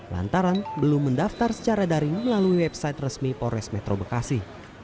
lantaran belum mendaftar secara daring melalui website resmi pores metro bekasi